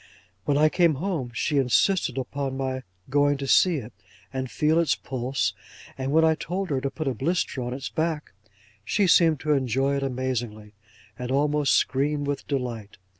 When I came home, she insisted upon my going to see it, and feel its pulse; and when I told her to put a blister on its back, she seemed to enjoy it amazingly, and almost screamed with delight.